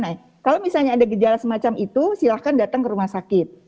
nah kalau misalnya ada gejala semacam itu silahkan datang ke rumah sakit